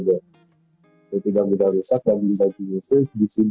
kemungkinan besar itu datang ketika pasir